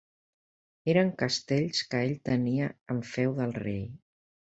Eren castells que ell tenia en feu del rei.